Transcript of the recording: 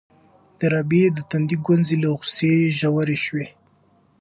د رابعې د تندي ګونځې له غوسې ژورې شوې.